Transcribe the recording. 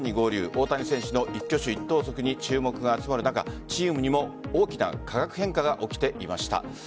大谷選手の一挙手一投足に注目が集まる中チームにも大きな化学変化が起きていました。